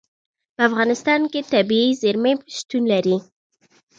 په افغانستان کې طبیعي زیرمې شتون لري.